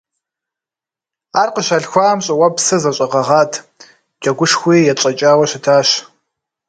Ар къыщалъхуам, щӀыуэпсыр зэщӀэгъэгъат, джэгушхуи етщӀэкӀауэ щытащ.